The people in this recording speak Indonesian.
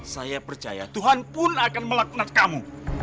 saya percaya tuhan pun akan melaknat kamu